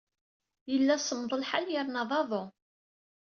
Yella semmeḍ lḥal yerna d aḍu.